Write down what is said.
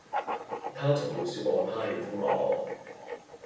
他從沒說過他喜歡我